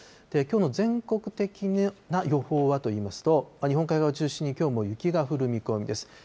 きょうの全国的な予報はといいますと、日本海側を中心にきょうも雪が降る見込みです。